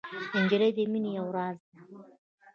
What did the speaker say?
نجلۍ د مینې یو راز ده.